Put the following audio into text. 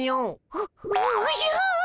おおじゃ。